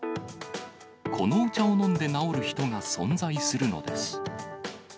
このお茶を飲んで治る人が存在するのです。